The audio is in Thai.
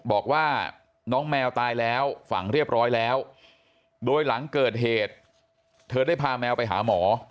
บอกว่าน้องแมวตายแล้วฝังเรียบร้อยแล้วโดยหลังเกิดเหตุเธอได้พาแมวไปหาหมอ